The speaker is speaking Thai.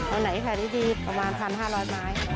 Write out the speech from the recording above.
อันไหนขายดีประมาณ๑๕๐๐ไม้